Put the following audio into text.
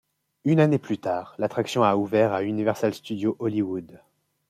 Une année plus tard, l'attraction a ouvert à Universal Studios Hollywood.